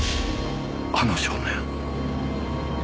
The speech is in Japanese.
あの少年。